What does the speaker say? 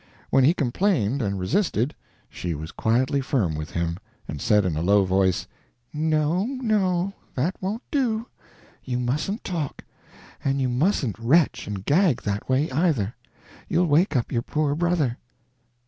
When he complained and resisted, she was quietly firm with him, and said in a low voice: "No no, that won't do; you mustn't talk, and you mustn't retch and gag that way, either you'll wake up your poor brother."